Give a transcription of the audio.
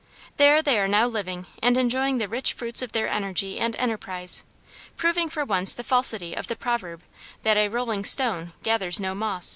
There they are now living and enjoying the rich fruits of their energy and enterprise, proving for once the falsity of the proverb that "a rolling stone gathers no moss."